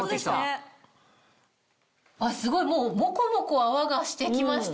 すごいもうボコボコ泡がして来ました。